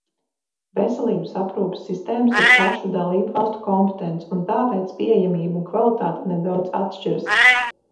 Veselības aprūpes sistēmas ir pašu dalībvalstu kompetence, un tāpēc pieejamība un kvalitāte nedaudz atšķiras.